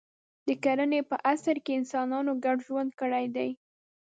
د کرنې په عصر کې انسانانو ګډ ژوند کړی دی.